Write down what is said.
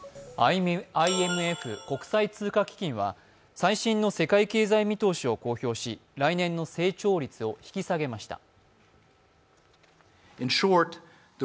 ＩＭＦ＝国際通貨基金は最新の世界経済見通しを公表し、来年の成長率を引き下げました。